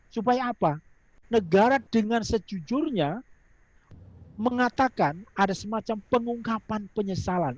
supaya apa negara dengan sejujurnya mengatakan ada semacam pengungkapan penyesalan